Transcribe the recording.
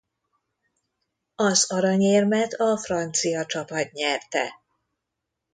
Az aranyérmet a francia csapat nyerte.